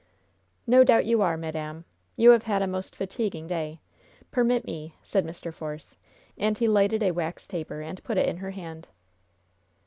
"No doubt you are, madam. You have had a most fatiguing day. Permit me!" said Mr. Force, and he lighted a wax taper and put it in her hand.